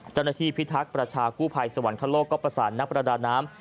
เจ้าหน้าที่พิทักษ์ประชากู้ภัยสวรรค์คันโลกก็ประสานนักปรดาน้ำ